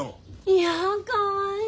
いやんかわいい！